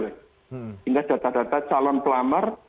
sehingga data data calon pelamar